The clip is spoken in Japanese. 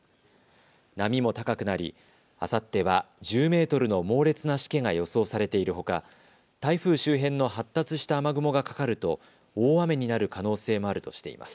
波も高くなりあさっては１０メートルの猛烈なしけが予想されているほか台風周辺の発達した雨雲がかかると大雨になる可能性もあるとしています。